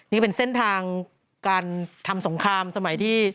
นี่เป็นเส้นทางการทำสงครามสมัยที่